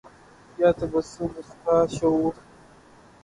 یا تبسم اُسکا شعور تھا